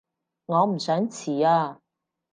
我唔想遲啊